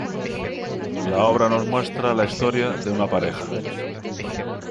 La obra nos muestra la historia de una pareja.